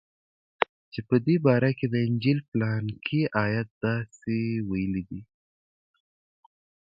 چې په دې باره کښې د انجيل پلانکى ايت داسې ويلي دي.